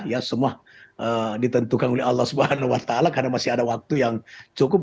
ya semua ditentukan oleh allah swt karena masih ada waktu yang cukup